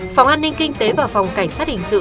phòng an ninh kinh tế và phòng cảnh sát hình sự